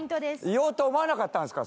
言おうと思わなかったんですか？